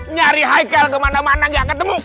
nyari haikal kemana mana gak ketemu